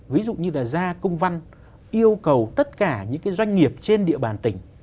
ví dụ như là ra công văn yêu cầu tất cả những cái doanh nghiệp trên địa bàn tỉnh